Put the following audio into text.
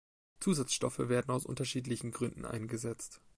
Zusatzstoffe werden aus unterschiedlichen Gründen eingesetzt.